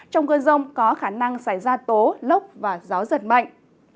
trong cơn rông có khả năng xảy ra tố lốc và gió giật mạnh